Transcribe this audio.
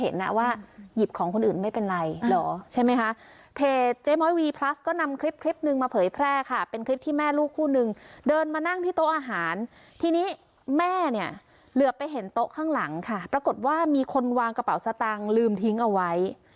ทีนี้แม่เนี่ยเหลือไปเห็นโต๊ะข้างหลังค่ะปรากฏว่ามีคนวางกระเป๋าสตางค์ลืมทิ้งเอาไว้